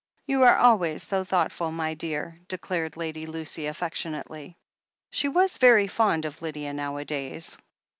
"You are always so thoughtful, my dear," declared Lady Lucy affectionately. She was very fond of Lydia nowadays.